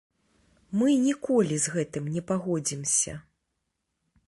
Мы ніколі з гэтым не пагодзімся.